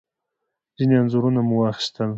ځینې انځورونه مو واخیستل.